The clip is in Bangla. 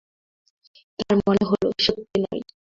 তাঁর মনে হলো, সত্যি নয়।